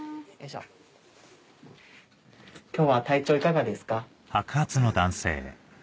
今日は体調いかがですか？